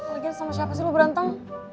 lagi sama siapa sih lo berantem